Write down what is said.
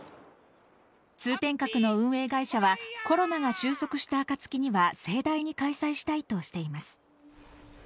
通天閣の運営会社は、コロナが終息した暁には、盛大に開催したいとしています。